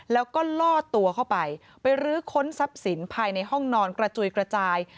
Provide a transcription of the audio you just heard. แล้วก็ล่อตัวเข้าไปไปรื้อค้นทรัพย์สินภายในห้องนอนกระจุยกระจาย